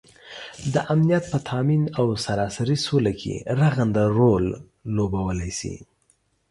دامنیت په تآمین او سراسري سوله کې رغنده رول لوبوالی شي